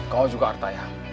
kau juga hartaya